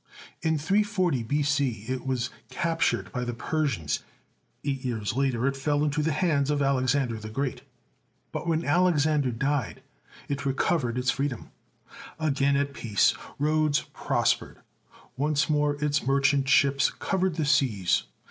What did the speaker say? In 340 B.C., it was captured by the Persians; eight years later it fell into the hands of Alexander the Great, but when Alexander died, it recovered its freedom. Again at peace, Rhodes prospered. Once more its merchant ships covered the seas.